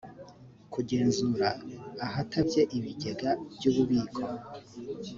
kugenzura ahatabye ibigega by ububiko